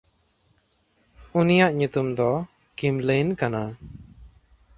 ᱩᱱᱤᱭᱟᱜ ᱧᱩᱛᱩᱢ ᱫᱚ ᱠᱤᱢᱞᱟᱹᱭᱤᱱ ᱠᱟᱱᱟ᱾